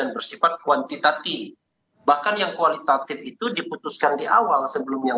begini undang undang yang sampai keputusan mk yang dulu itu kan